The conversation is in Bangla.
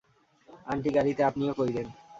আন্টি গাড়িতে আপনিও কইরেন!